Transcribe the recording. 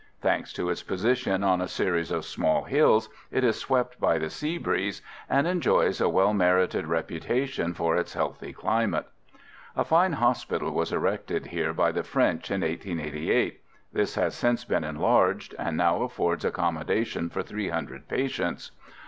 Thanks to its position on a series of small hills, it is swept by the sea breeze, and enjoys a well merited reputation for its healthy climate. A fine hospital was erected here by the French in 1888; this has since been enlarged, and now affords accommodation for three hundred patients.